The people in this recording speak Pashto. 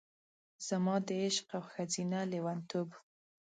زما د عشق او ښځینه لیونتوب،